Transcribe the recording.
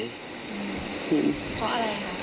เพราะอะไรครับ